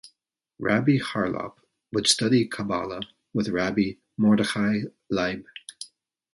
Rabbi Charlap would study Kabbalah with Rabbi Mordechai Leib.